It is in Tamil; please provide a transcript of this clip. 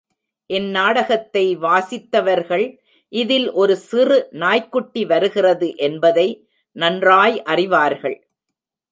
இந்நாடகத்தை வாசித்தவர்கள் இதில் ஒரு சிறு நாய்க்குட்டி வருகிறது என்பதை நன்றாய் அறிவார்கள்.